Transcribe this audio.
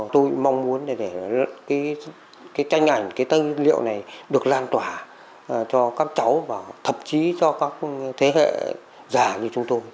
tôi mong muốn để cái tranh ảnh cái tư liệu này được lan tỏa cho các cháu và thậm chí cho các thế hệ già như chúng tôi